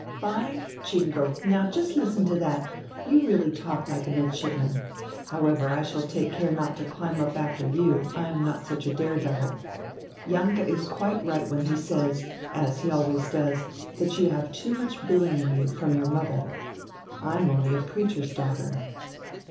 '"By Jingo.' Now just listen to diat. You really talk like a midshipman. However, I shall take care not to climb up after you, I am not such a dare devil. Jalinke is quite right when he says, as he always does, that you have too much Billing in you, from your modier. I am only a preacher's daughter."